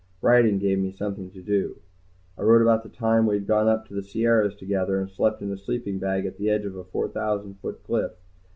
Writing gave me something to do. I wrote about the time we had gone up to the Sierras together and slept in a sleeping bag at the edge of a four thousand foot cliff.